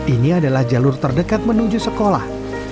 ini adalah jalur terdekat menuju sekolah